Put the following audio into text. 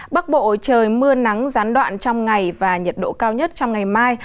bắc bộ trời mưa nắng gián đoạn trong ngày và nhiệt độ cao nhất trong ngày mai